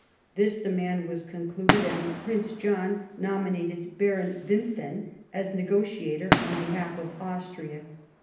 Thi& demand was conceded, and Prince John nominated Baron Wirapffen as negotiator on behalf of Austria.